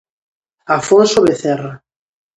Afonso Becerra.